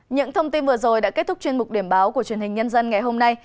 những thông tin vừa rồi đã kết thúc chuyên mục điểm báo của truyền hình nhân dân ngày hôm nay